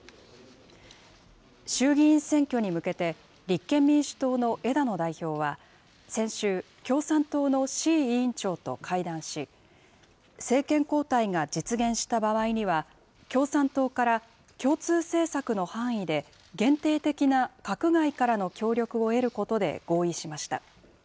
衆議院選挙に向けて、立憲民主党の枝野代表は、先週、共産党の志位委員長と会談し、政権交代が実現した場合には、共産党から共通政策の範囲で、限定的な閣外からの協力を得ることで合意しました。